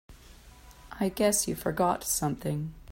I guess you forgot something.